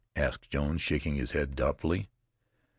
asked Jones, shaking his head doubtfully.